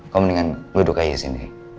kamu mendingan duduk aja di sini